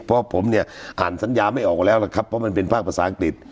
เพราะผมเนี่ยอ่านสัญญาไม่ออกแล้วล่ะครับเพราะมันเป็นภาคภาษาอังกฤษ